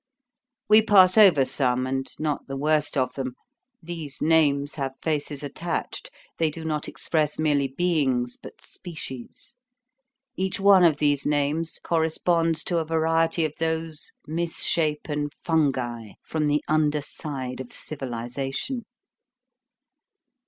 We pass over some, and not the worst of them. These names have faces attached. They do not express merely beings, but species. Each one of these names corresponds to a variety of those misshapen fungi from the under side of civilization.